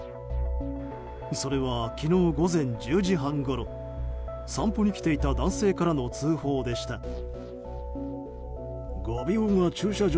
それは、昨日午前１０時半ごろ散歩に来ていた男性からの通報でした。